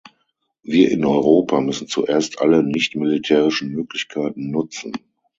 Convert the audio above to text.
Wir in Europa müssen zuerst alle nichtmilitärischen Möglichkeiten nutzen!